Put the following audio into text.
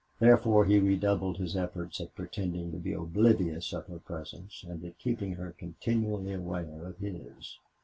Therefore he redoubled his efforts at pretending to be oblivious of her presence and at keeping her continually aware of his.